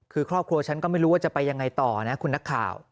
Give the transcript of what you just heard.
คือครอบครัวฉันก็ไม่รู้ว่าจะไปยังไงต่อนะคุณนักข่าว